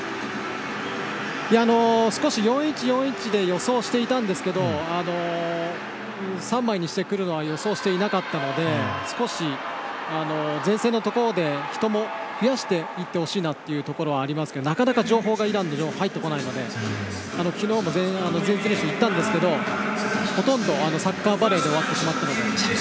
少し４−１−４−１で予想していたんですけど３枚にしてくるのは予想していなかったので少し前線のところで人も増やしてほしいのがありますがなかなかイランの情報が入ってこないので昨日も前日練習行ったんですがほとんどサッカーバレーで終わってしまったので。